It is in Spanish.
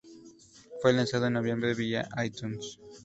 Fue lanzado en noviembre vía iTunes.